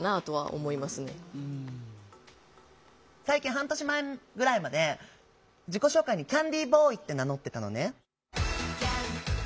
半年前ぐらいまで自己紹介に「キャンディーボーイ」って名乗ってたのね。